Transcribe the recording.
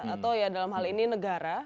atau ya dalam hal ini negara